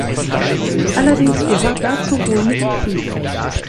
Allerdings gehört dazu wohl nicht viel.